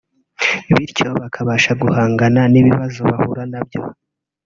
bityo bakabasha guhangana n’ibibazo bahura na byo